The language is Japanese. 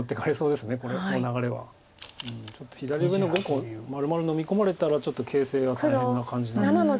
ちょっと左上の５個まるまるのみ込まれたらちょっと形勢は大変な感じなんです。